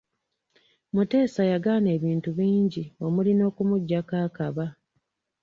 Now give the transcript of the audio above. Muteesa yagaana ebintu bingi omuli n'okumuggyako akaba.